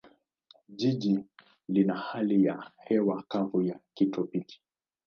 Jiji lina hali ya hewa kavu ya kitropiki.